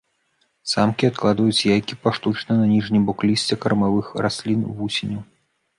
Самкі адкладаюць яйкі паштучна на ніжні бок лісця кармавых раслін вусеняў.